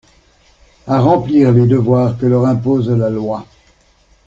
À remplir les devoirs que leur impose la Loi.